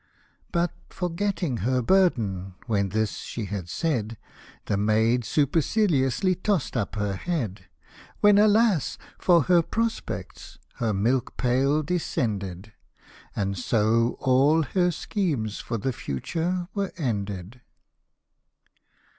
" But forgetting her burden, when this she had said, The maid superciliously toss'd up her head : When alas ! for her prospects her milk pail descended ! And so all her schemes for the future were ended.